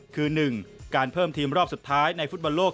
คือ๑การเพิ่มทีมรอบสุดท้ายในฟุตบอลโลก